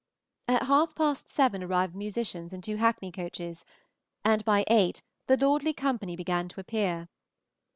At half past seven arrived the musicians in two hackney coaches, and by eight the lordly company began to appear.